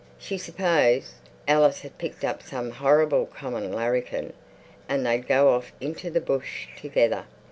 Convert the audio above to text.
She supposed Alice had picked up some horrible common larrikin and they'd go off into the bush together.